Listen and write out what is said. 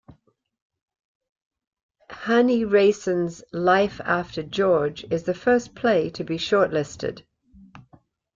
Hannie Rayson's, "Life after George", is the first play to be shortlisted.